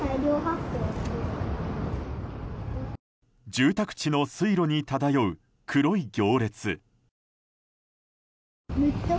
住宅地の水路に漂う黒い行列。